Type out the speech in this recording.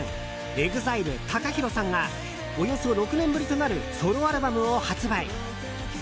ＥＸＩＬＥＴＡＫＡＨＩＲＯさんがおよそ６年ぶりとなるソロアルバムを発売。